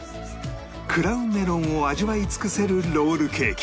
クラウンメロンを味わい尽くせるロールケーキ